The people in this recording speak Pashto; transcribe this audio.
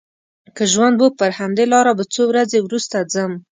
که ژوند و پر همدې لاره به څو ورځې وروسته ځم.